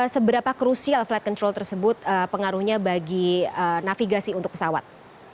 seberapa krusial flight control tersebut pengaruhnya bagi navigasi untuk pesawat